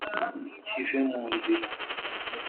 kive mu nzira.